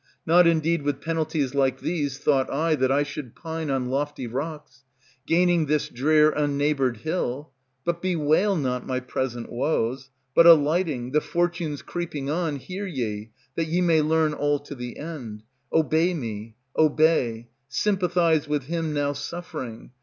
Not indeed with penalties like these thought I That I should pine on lofty rocks, Gaining this drear unneighbored hill. But bewail not my present woes, But alighting, the fortunes creeping on Hear ye, that ye may learn all to the end. Obey me, obey, sympathize With him now suffering.